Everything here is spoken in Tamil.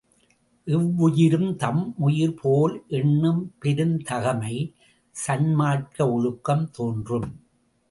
எவ்வுயிரும் தம்முயிர் போல் எண்ணும் பெருந்தகைமை, சன்மார்க்க ஒழுக்கம் தோன்றும்.